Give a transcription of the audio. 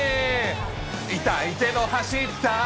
痛いけど走った。